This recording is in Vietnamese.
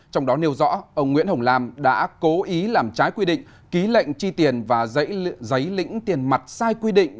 trong đó nêu rõ ông nguyễn hồng lam đã cố ý làm trái quy định ký lệnh chi tiền và giấy lĩnh tiền mặt sai quy định